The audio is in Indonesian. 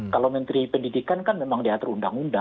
kalau menteri pendidikan kan memang diatur undang undang